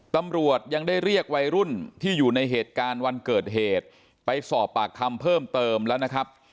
ตำรวจยังได้เรียกวัยรุ่นที่อยู่ในเหตุการณ์วันเกิดเหตุไปสอบปากคำเพิ่มเติมแล้วนะครับ